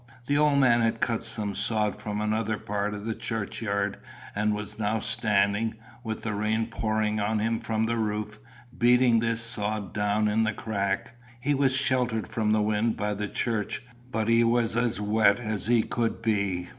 The old man had cut some sod from another part of the churchyard, and was now standing, with the rain pouring on him from the roof, beating this sod down in the crack. He was sheltered from the wind by the church, but he was as wet as he could be.